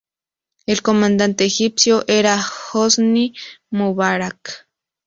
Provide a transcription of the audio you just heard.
El comandante egipcio era Hosni Mubarak.